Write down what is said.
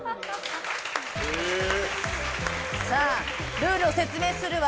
ルールを説明するわ。